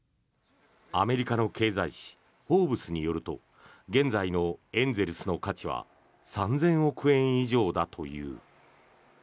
アメリカの経済誌「フォーブス」によると現在のエンゼルスの価値は３０００億円以上だという。